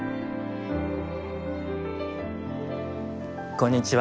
こんにちは。